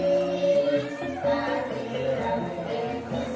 การทีลงเพลงสะดวกเพื่อความชุมภูมิของชาวไทยรักไทย